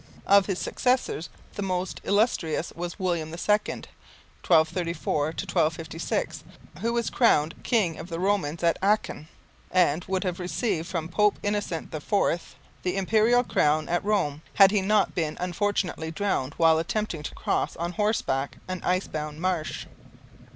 Of his successors the most illustrious was William II (1234 to 1256) who was crowned King of the Romans at Aachen, and would have received from Pope Innocent IV the imperial crown at Rome, had he not been unfortunately drowned while attempting to cross on horseback an ice bound marsh.